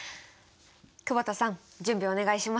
久保田さん準備お願いします！